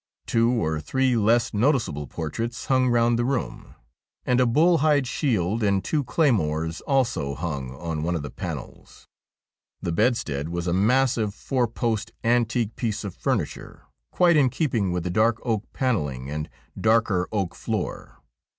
Two or three less noticeable portraits hung round the room ; and a bull hide shield and two claymores also hung on one of the panels. The bedstead was a massive four post, antique piece of furni ture, quite in keeping with the dark oak panelling and darker oak floor.